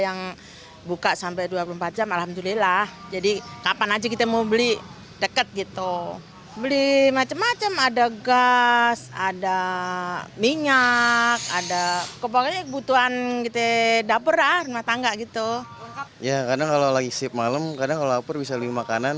ya kadang kalau lagi sip malam kadang kalau lapar bisa beli makanan